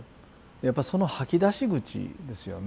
やっぱその吐き出し口ですよね。